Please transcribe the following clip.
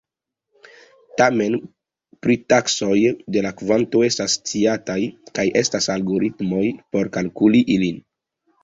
Tamen, pritaksoj de la kvanto estas sciataj, kaj estas algoritmoj por kalkuli ilin.